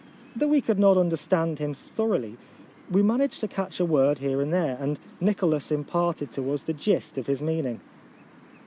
Though we could not understand him thoroughly, we managed to catch a word here and there, and Nicholas imparted to us the gist of his mean ing.